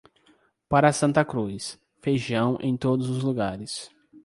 Para Santa Cruz, feijão em todos os lugares.